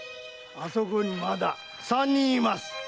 あそこにまだ三人います。